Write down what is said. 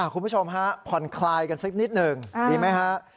คุณผู้ชมฮะผ่อนคลายกันสักนิดหนึ่งดีไหมฮะ